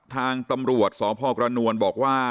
ทางตำรวจสพกระนวลบอกว่า